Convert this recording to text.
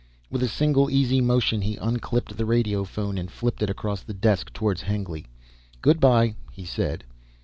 With a single, easy motion he unclipped the radiophone and flipped it across the desk towards Hengly. "Good by," he said.